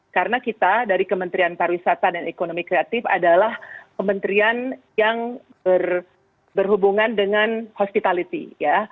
karena kita dari kementerian pariwisata dan ekonomi kreatif adalah kementerian yang berhubungan dengan hospitality